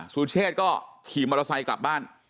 สุเชษก็ขี่มอเตอร์ไซค์กลับบ้าน